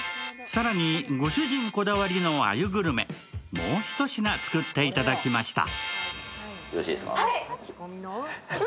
更にご主人こだわりの鮎グルメ、もうひと品作っていただきました。